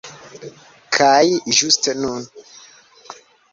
Kaj ĝuste nun!